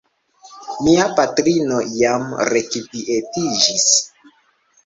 Mia patrino jam rekvietiĝis.